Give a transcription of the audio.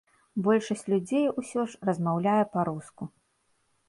Большасць людзей, усё ж, размаўляе па-руску.